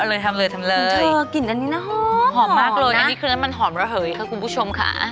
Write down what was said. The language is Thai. เลยทำเลยทำเลยกลิ่นอันนี้น่าหอมหอมมากเลยอันนี้คือน้ำมันหอมระเหยค่ะคุณผู้ชมค่ะ